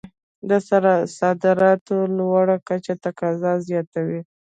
د صادراتو لوړه کچه تقاضا زیاتوي.